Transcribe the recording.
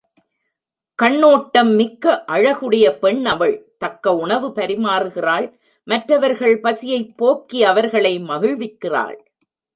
கண்ணோட்டம் மிக்க அழகுடைய பெண் அவள் தக்க உணவு பரிமாறுகிறாள் மற்றவர்கள் பசியைப் போக்கி அவர்களை மகிழ்விக்கிறாள்.